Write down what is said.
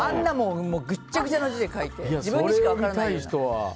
ぐっちゃぐっちゃな字で書いて自分にしか分からないような。